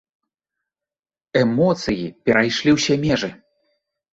Эмоцыі перайшлі ўсе межы.